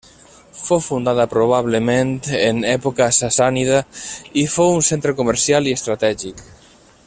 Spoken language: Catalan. Fou fundada probablement en època sassànida i fou un centre comercial i estratègic.